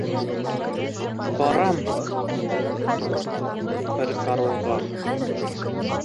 Барам пыркарурға!